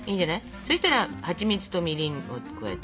そしたらはちみつとみりんを加えて。